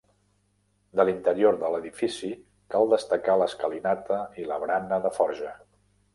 De l'interior de l'edifici cal destacar l'escalinata i la barana de forja.